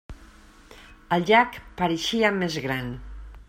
El llac pareixia més gran.